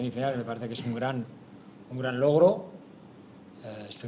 menurut saya itu adalah kemenguatan yang besar